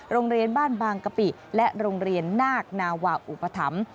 โรงเรียนบ้านบางกะปิและโรงเรียนนาคนาวาอุปถัมภ์